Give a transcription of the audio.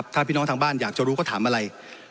ถ้าพี่น้องทางบ้านอยากจะรู้ก็ถามอะไร